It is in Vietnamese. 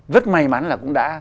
rất may mắn là cũng đã